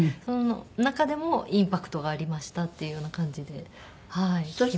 その中でもインパクトがありましたっていうような感じではい。